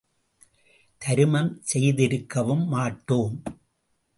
தருமம் செய்திருக்கவும் மாட்டோம்.